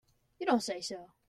You don't say so!